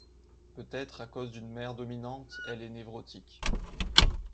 Peut-être à cause d'une mère dominante, elle est névrotique.